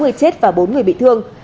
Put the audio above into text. tám người chết và bốn người bị thương